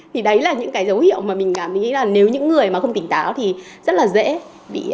thì đấy là những cái dấu hiệu mà mình cảm thấy là nếu những người mà không tỉnh táo thì rất là dễ bị có thể là bị bắt lừa